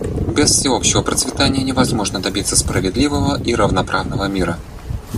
Без всеобщего процветания невозможно добиться справедливого и равноправного мира.